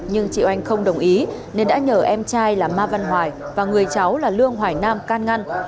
nhưng chị oanh không đồng ý nên đã nhờ em trai là ma văn hoài và người cháu là lương hoài nam can ngăn